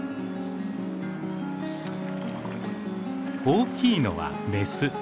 大きいのはメス。